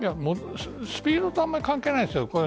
スピードって関係ないですよ。